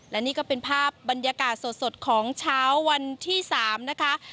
และนี่ก็เป็นภาพบรรยากาศสดของเช้าวันที่๓นะคะ